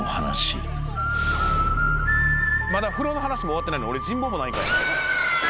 まだ風呂の話も終わってないのに俺人望もないんかい。